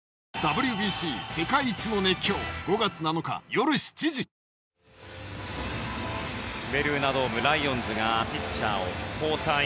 そして今、松井監督がベルーナドームライオンズがピッチャーを交代。